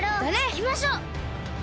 いきましょう！